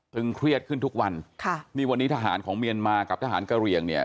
เครียดขึ้นทุกวันค่ะนี่วันนี้ทหารของเมียนมากับทหารกะเหลี่ยงเนี่ย